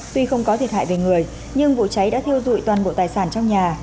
tuy không có thiệt hại về người nhưng vụ cháy đã thiêu dụi toàn bộ tài sản trong nhà